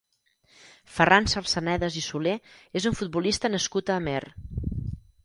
Ferran Sarsanedas i Soler és un futbolista nascut a Amer.